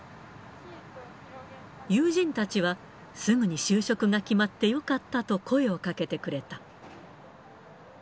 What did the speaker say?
友人たちはすぐに就職が決まってよかったと声をかけてくれた。